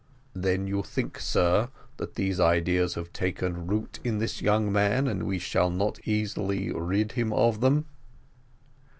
"Then you think, sir, that these ideas have taken deep root in this young man, and we shall not easily rid him of them."